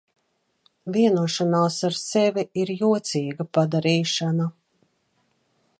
Vienošanās ar sevi ir jocīga padarīšana.